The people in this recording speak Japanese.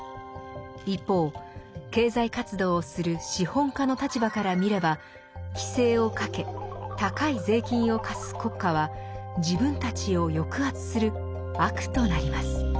一方経済活動をする資本家の立場から見れば規制をかけ高い税金を課す国家は自分たちを抑圧する「悪」となります。